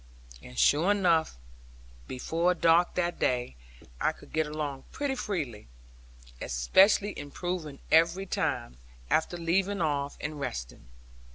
And sure enough, before dark that day, I could get along pretty freely; especially improving every time, after leaving off and resting.